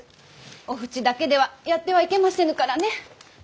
お扶持だけではやってはいけませぬからね。